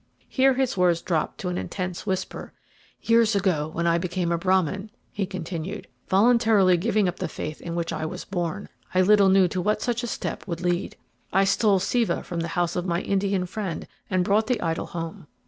Here his words dropped to an intense whisper. "Years ago, when I became a Brahmin," he continued, "voluntarily giving up the faith in which I was born, I little knew to what such a step would lead. I stole Siva from the house of my Indian friend and brought the idol home.